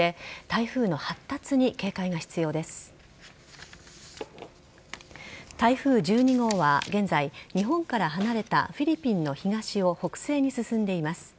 台風１２号は現在日本から離れたフィリピンの東を北西に進んでいます。